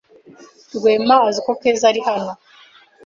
Rwema azi ko Keza ari hano?